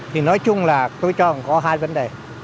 thì nói chung là tôi cho rằng có hai vấn đề